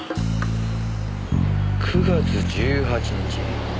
９月１８日。